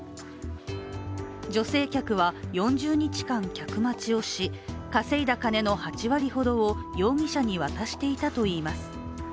女性客は４０日間客待ちをし、稼いだ金の８割ほどを容疑者に渡していたといいます。